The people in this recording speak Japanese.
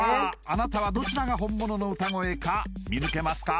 あなたはどちらが本物の歌声か見抜けますか？